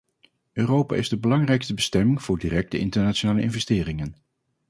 Europa is de belangrijkste bestemming voor directe internationale investeringen.